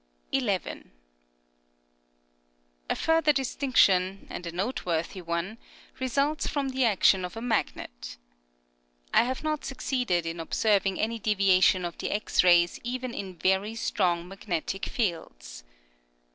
11. A further distinction, and a note worthy one, results from the action of a magnet. I have not succeeded in observing any deviation of the X rays even in very strong magnetic fields.